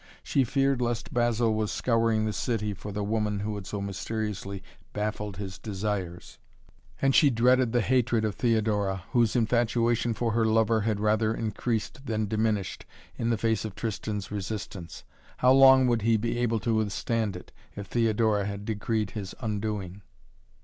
She feared lest Basil was scouring the city for the woman who had so mysteriously baffled his desires, and she dreaded the hatred of Theodora, whose infatuation for her lover had rather increased than diminished in the face of Tristan's resistance. How long would he be able to withstand, if Theodora had decreed his undoing?